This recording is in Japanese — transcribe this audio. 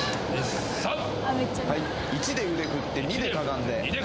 「１で腕振って２でかがんで」